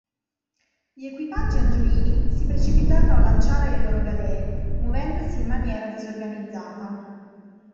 Gli equipaggi angioini si precipitarono a lanciare le loro galee, muovendosi in maniera disorganizzata.